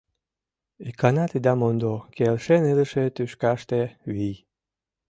Иканат ида мондо: келшен илыше тӱшкаште — вий!..